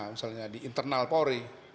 misalnya di internal pori